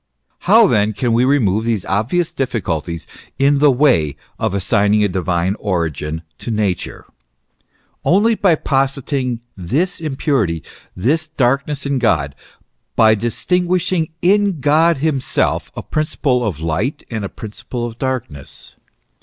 How then can we remove these obvious difficulties in the way of assigning a divine origin to Nature ? Only by positing this impurity, this darkness in God, by distinguishing in God himself a principle of light and a principle of darkness.